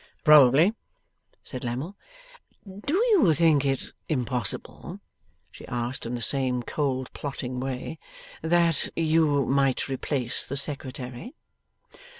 'Probably,' said Lammle. 'Do you think it impossible,' she asked, in the same cold plotting way, 'that you might replace the Secretary?